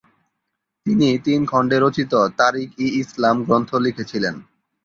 তিনি তিন খণ্ডে রচিত "তারিখ-ই-ইসলাম" গ্রন্থ লিখেছিলেন।